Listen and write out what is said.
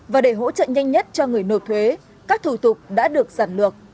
và để hỗ trợ nhanh nhất cho người nộp thuế các thủ tục đã được giảm lược